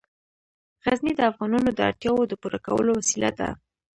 غزني د افغانانو د اړتیاوو د پوره کولو وسیله ده.